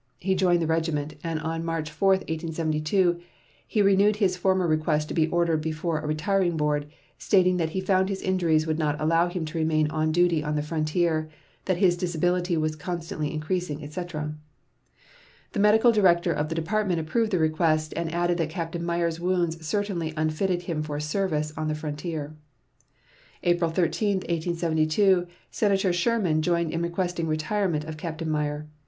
He joined the regiment, and on March 4, 1872, he renewed his former request to be ordered before a retiring board, stating that he found his injuries would not allow him to remain on duty on the frontier; that his disability was constantly increasing, etc. The medical director of the department approved the request, and added that Captain Meyer's wounds certainly unfitted him for service on the frontier. April 13, 1872, Senator Sherman joined in requesting retirement of Captain Meyer.